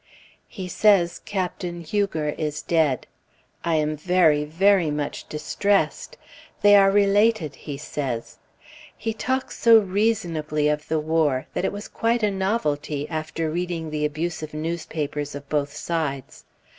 He says Captain Huger is dead. I am very, very much distressed. They are related, he says. He talked so reasonably of the war, that it was quite a novelty after reading the abusive newspapers of both sides.